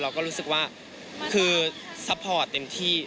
เราก็รู้สึกว่าคือซัพพอร์ตเต็มที่